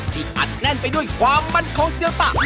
อัดแน่นไปด้วยความมั่นคงเซียวตะ